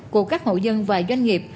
của các hộ dân và doanh nghiệp